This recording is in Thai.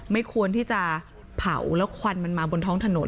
ไม่ควรที่จะเผาแล้วควันมันมาบนท้องถนน